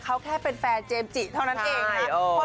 เขาแค่เป็นแฟนเจมส์จิเท่านั้นเองนะครับ